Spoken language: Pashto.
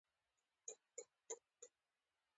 په لومړۍ ورځ یې زېری وکړ.